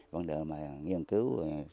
văn đồ mà nghiên cứu